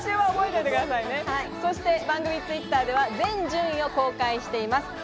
そして番組Ｔｗｉｔｔｅｒでは全順位を公開しています。